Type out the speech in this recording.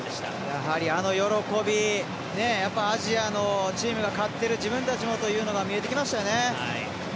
やはりあの喜びアジアのチームが勝っている自分たちもというのが見えてきましたよね。